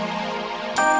itu tahu kific kan